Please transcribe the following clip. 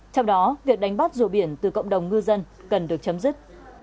trong đó việc đánh bắt rùa biển từ cộng đồng ngư dân cần được chấm dứt